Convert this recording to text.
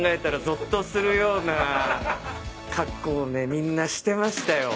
みんなしてましたよ。